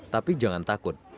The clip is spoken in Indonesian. tapi jangan takut